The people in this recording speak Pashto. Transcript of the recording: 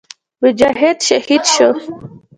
مجاهد شهید شو.